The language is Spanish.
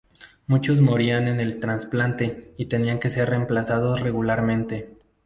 Muchos morían en el trasplante y tenían que ser reemplazados regularmente.